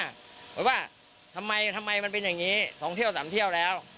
เพราะว่าทำไมมันเป็นอย่างนี้๒เที่ยว๓เที่ยวแล้ว